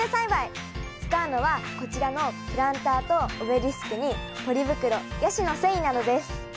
使うのはこちらのプランターとオベリスクにポリ袋ヤシの繊維などです。